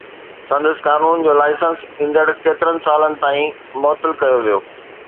سندس قانون جو لائسنس ايندڙ ڪيترن سالن تائين معطل ڪيو ويو.